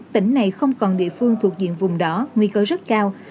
tỉnh này không còn địa phương thuộc diện vùng đó nguy cơ rất cao